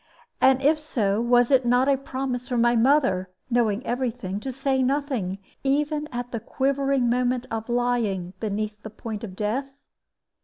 And if so, was it not a promise from my mother, knowing every thing, to say nothing, even at the quivering moment of lying beneath the point of death?